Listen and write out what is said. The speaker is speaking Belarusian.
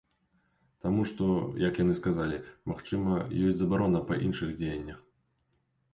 Таму што, як яны сказалі, магчыма, ёсць забарона па іншых дзеяннях.